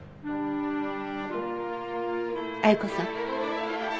亜由子さん。